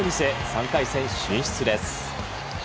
３回戦進出です。